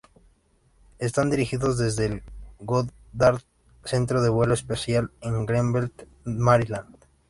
Están dirigidos desde el Goddard Centro de Vuelo Espacial en Greenbelt, Maryland.